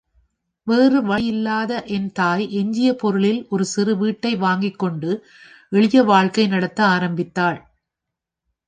வேறு வழியில்லாத என் தாய் எஞ்சிய பொருளில் ஒரு சிறு வீட்டை வாங்கிக்கொண்டு எளிய வாழ்க்கை நடத்த ஆரம்பித்தாள்.